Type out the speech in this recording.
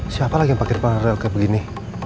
siapa lagi yang pake depan rel kayak begini